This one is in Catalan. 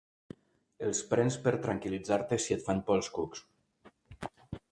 Els prens per tranquil·litzar-te si et fan por els cucs.